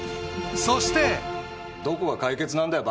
そしてどこが解決なんだよ